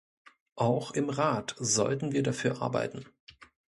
Auch im Rat sollten wir dafür arbeiten.